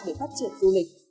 để phát triển du lịch